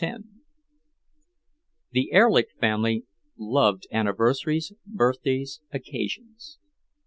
X The Erlich family loved anniversaries, birthdays, occasions.